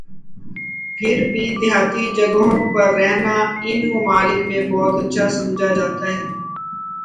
پھر بھی دیہاتی جگہوں پہ رہنا ان ممالک میں بہت اچھا سمجھا جاتا ہے۔